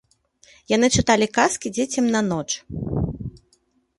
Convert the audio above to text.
Яны чыталі казкі дзецям на ноч.